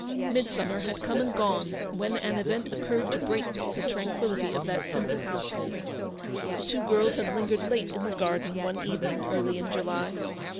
Midsummer had come and gone, when an event occurred to break the tranquillity of that simple household. The two girls had lingered late in the garden one evening early in July.